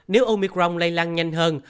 nếu omicron lây lan nhanh hơn